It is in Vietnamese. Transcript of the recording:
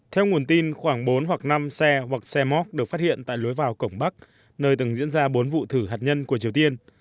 theo nguồn tin khoảng bốn hoặc năm xe hoặc xe móc được phát hiện tại lối vào cổng bắc nơi từng diễn ra bốn vụ thử hạt nhân của triều tiên